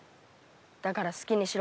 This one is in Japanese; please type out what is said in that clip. だから好きにしろ」